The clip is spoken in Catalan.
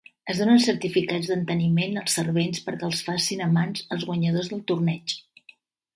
Es donen certificats d'enteniment als servents perquè els facin a mans als guanyadors del torneig.